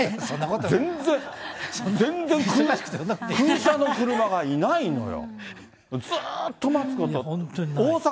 全然、全然空車の車がいないのよ。